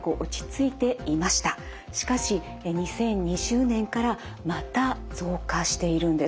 しかし２０２０年からまた増加しているんです。